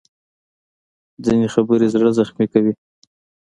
ځینې خبرې زړه زخمي کوي